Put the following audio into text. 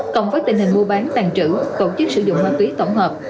cộng với tình hình mua bán tàn trữ tổ chức sử dụng ma túy tổng hợp